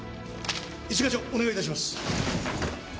一課長お願い致します。